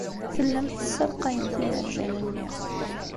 Tellamt tessalqayemt imerjan-nni.